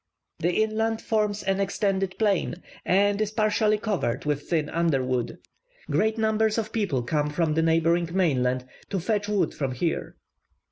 The inland forms an extended plain, and is partially covered with thin underwood. Great numbers of people come from the neighbouring mainland to fetch wood from here.